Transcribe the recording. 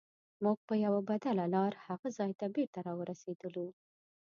موږ په یوه بدله لار هغه ځای ته بېرته راورسیدلو.